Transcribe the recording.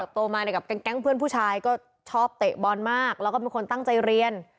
โตมากับแก๊งเพื่อนผู้ชายก็ชอบเตะบอลมากแล้วก็เป็นคนตั้งใจเรียน